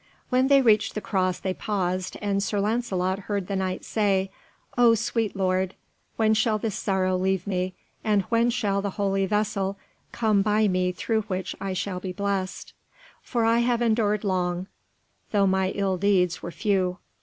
When they reached the cross they paused, and Sir Lancelot heard the Knight say, "O sweet Lord, when shall this sorrow leave me, and when shall the Holy Vessel come by me through which I shall be blessed? For I have endured long, though my ill deeds were few."